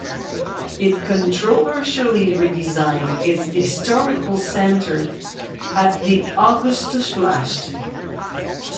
It controversially redesigned its historical centre at the Augustusplatz.